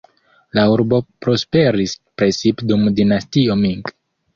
La urbo prosperis precipe dum Dinastio Ming.